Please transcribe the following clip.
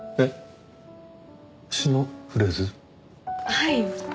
はい。